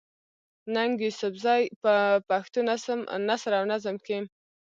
ننګ يوسفزۍ په پښتو نثر او نظم کښې